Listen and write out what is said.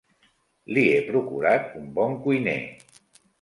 Li he procurat un bon cuiner.